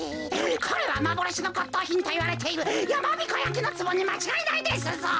これはまぼろしのこっとうひんといわれているやまびこやきのつぼにまちがいないですぞ！